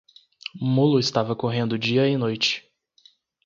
Mulo estava correndo dia e noite.